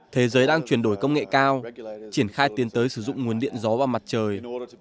thế giới đang chuyển đổi công nghệ cao triển khai tiến tới sử dụng nguồn điện gió và mặt trời